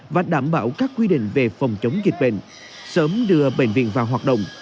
và đảm bảo các quy định về phòng chống dịch bệnh sớm đưa bệnh viện vào hoạt động